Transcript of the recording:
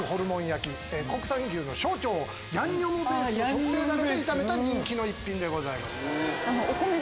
国産牛の小腸をヤンニョムベースの特製ダレで炒めた人気の一品でございます。